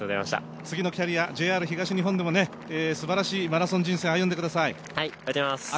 次のキャリア、ＪＲ東日本でもすばらしいマラソン人生を歩んでください。